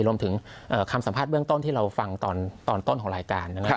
รวมถึงคำสัมภาษณ์เบื้องต้นที่เราฟังตอนต้นของรายการนะครับ